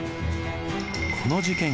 この事件